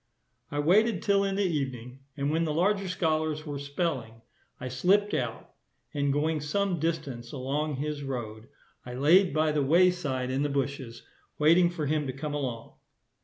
I waited till in the evening, and when the larger scholars were spelling, I slip'd out, and going some distance along his road, I lay by the way side in the bushes, waiting for him to come along.